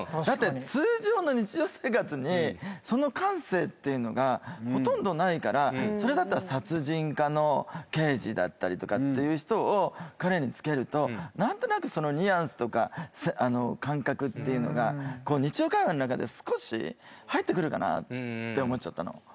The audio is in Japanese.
だって通常の日常生活にその感性っていうのがほとんどないからそれだったら殺人課の刑事だったりとかっていう人を彼につけると何となくそのニュアンスとか感覚っていうのが日常会話の中で少し入ってくるかなって思っちゃったの。